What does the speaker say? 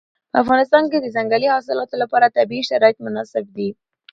په افغانستان کې د ځنګلي حاصلاتو لپاره طبیعي شرایط مناسب دي.